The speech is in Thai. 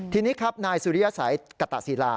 ทีนี้ครับนายสุริยสัยกตะศิลา